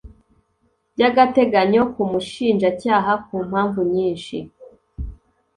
by agateganyo k umushinjacyaha ku mpamvu nyinshi